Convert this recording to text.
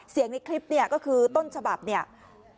เสียงในคลิปเนี่ยก็คือต้นฉบับเนี่ยอ่า